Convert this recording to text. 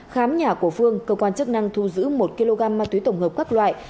khám nhà của phương cơ quan chức năng thu giữ một kg ma túy tổng hợp các loại